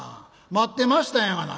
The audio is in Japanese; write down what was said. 待ってましたんやがな。